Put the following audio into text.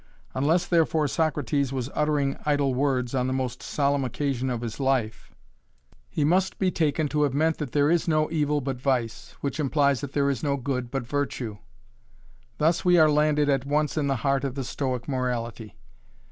Unless therefore Socrates was uttering idle words on the most solemn occasion of his life, he must be taken to have meant that there is no evil but vice, which implies that there is no good but virtue. Thus we are landed at once in the heart of the Stoic morality.